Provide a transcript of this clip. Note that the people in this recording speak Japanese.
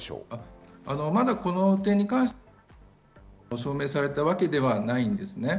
まだこの点に関しては証明されたわけではないんですね。